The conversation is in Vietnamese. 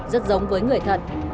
rất giống với người thật